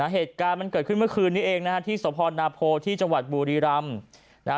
เหตุการณ์มันเกิดขึ้นเมื่อคืนนี้เองนะฮะที่สพนาโพที่จังหวัดบุรีรำนะฮะ